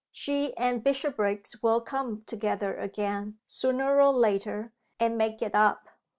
She and Bishopriggs will come together again, sooner or later, and make it up.